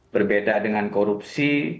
berbeda dengan korupsi